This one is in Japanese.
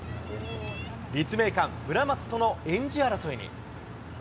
立命館、村松とのエンジ争いに。